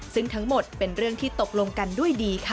ซึ่งทั้งหมดเป็นเรื่องที่ตกลงกันด้วยดีค่ะ